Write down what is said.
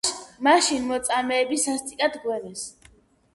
მაშინ მოწამეები სასტიკად გვემეს.